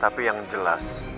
tapi yang jelas